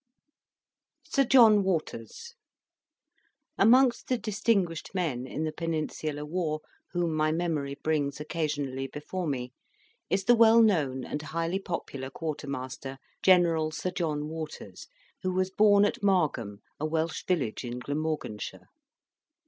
SIR JOHN WATERS Amongst the distinguished men in the Peninsular war whom my memory brings occasionally before me, is the well known and highly popular Quartermaster General Sir John Waters, who was born at Margam, a Welsh village in Glamorganshire.